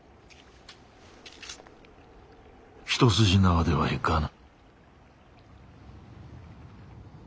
一筋縄ではいかぬ。